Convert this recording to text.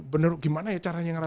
bener gimana ya cara nyengar